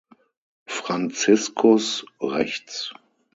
Franziskus (rechts).